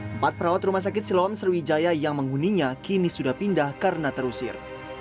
empat perawat rumah sakit siloam sriwijaya yang menghuninya kini sudah pindah karena terusir